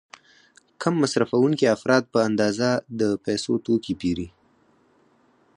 کم مصرفوونکي افراد په اندازه د پیسو توکي پیري.